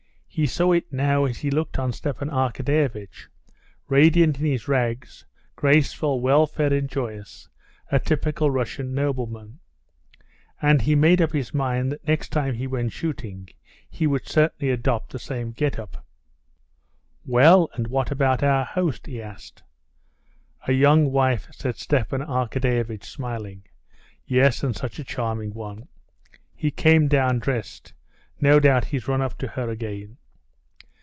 He saw it now as he looked at Stepan Arkadyevitch, radiant in his rags, graceful, well fed, and joyous, a typical Russian nobleman. And he made up his mind that next time he went shooting he would certainly adopt the same get up. "Well, and what about our host?" he asked. "A young wife," said Stepan Arkadyevitch, smiling. "Yes, and such a charming one!" "He came down dressed. No doubt he's run up to her again."